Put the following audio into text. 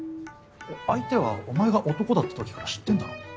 相手はお前が男だったときから知ってんだろ？